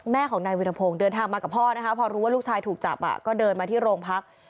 แม่ของนายวิรพงศ์เดินทางมากับพ่อนะคะพอรู้ว่าลูกชายถูกจับก็เดินมาที่โรงพัก